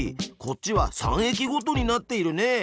こっちは３駅ごとになっているね！